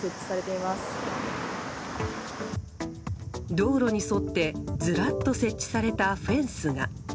道路に沿ってずらっと設置されたフェンスが。